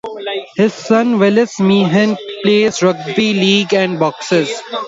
His son Willis Meehan plays rugby league and boxes.